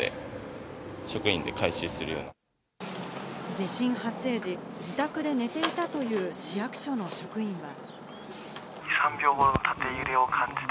地震発生時、自宅で寝ていたという市役所の職員は。